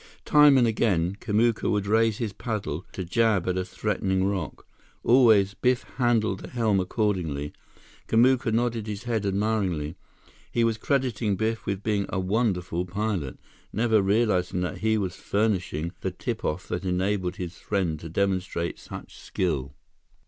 Time and again, Kamuka would raise his paddle to jab at a threatening rock. Always, Biff handled the helm accordingly. Kamuka nodded his head admiringly. He was crediting Biff with being a wonderful pilot, never realizing that he was furnishing the tip off that enabled his friend to demonstrate such skill.